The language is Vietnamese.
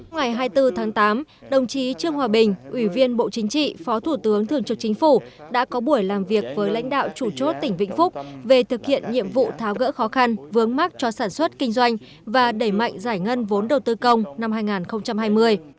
ngày hai mươi bốn tháng tám đồng chí trương hòa bình ủy viên bộ chính trị phó thủ tướng thường trực chính phủ đã có buổi làm việc với lãnh đạo chủ chốt tỉnh vĩnh phúc về thực hiện nhiệm vụ tháo gỡ khó khăn vướng mắt cho sản xuất kinh doanh và đẩy mạnh giải ngân vốn đầu tư công năm hai nghìn hai mươi